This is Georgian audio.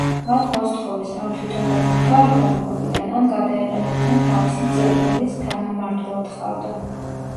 მათ მოსთხოვეს, ან თვითონ გადამდგარიყო მეფობიდან, ან გადაეყენებინა თავისი ძე, რომელიც თანამმართველად ჰყავდა.